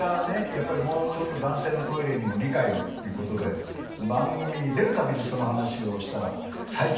やっぱりもうちょっと男性のトイレにも理解をということで番組に出る度にその話をしたら最近増えてきましたよね。